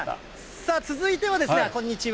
続いては、こんにちは。